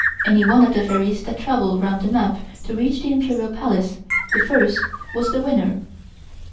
Any one of the fairies that travelled round the map to reach the Imperial Palace, the first, was the winner.